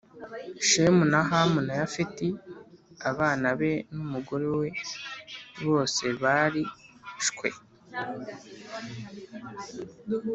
Shemu na Hamu na Yafeti abana be n umugore we bose bari shwe